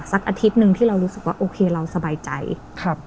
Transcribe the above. อาทิตย์หนึ่งที่เรารู้สึกว่าโอเคเราสบายใจครับ